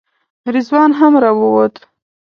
رضوان هم راووت.